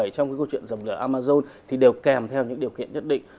trong câu chuyện dòng lửa amazon thì đều kèm theo những điều kiện nhất định